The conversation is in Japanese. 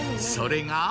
それが。